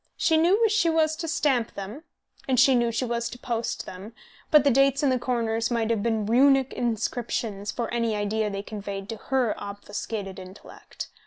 She knew she was to stamp them and she knew she was to post them, but the dates in the corners might have been runic inscriptions for any idea they conveyed to her obfuscated intellect.